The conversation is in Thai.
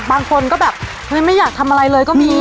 บางคนก็แบบเฮ้ยไม่อยากทำอะไรเลยก็มี